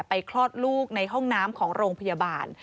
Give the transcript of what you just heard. คลอดลูกในห้องน้ำของโรงพยาบาล